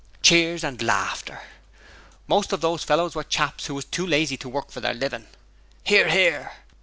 (Cheers and laughter.) Most of those fellows were chaps who was too lazy to work for their livin'. (Hear, hear.)